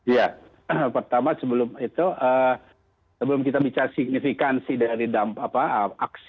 ya pertama sebelum itu sebelum kita bicara signifikansi dari dampak